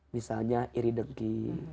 misalnya iri dengki